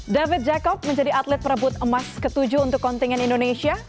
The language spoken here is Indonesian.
david jacob menjadi atlet perebut emas ketujuh untuk kontingen indonesia